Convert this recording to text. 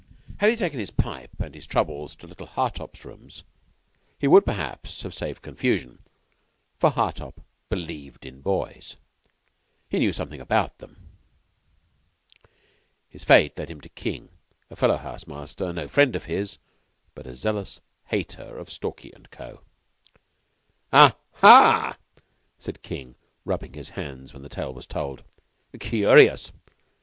Had he taken his pipe and his troubles to little Hartopp's rooms he would, perhaps, have been saved confusion, for Hartopp believed in boys, and knew something about them. His fate led him to King, a fellow house master, no friend of his, but a zealous hater of Stalky & Co. "Ah haa!" said King, rubbing his hands when the tale was told. "Curious!